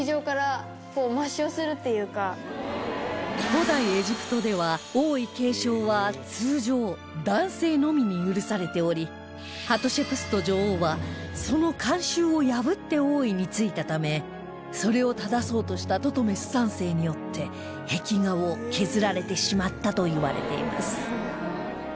古代エジプトでは王位継承は通常男性のみに許されておりハトシェプスト女王はその慣習を破って王位についたためそれを正そうとしたトトメス３世によって壁画を削られてしまったといわれています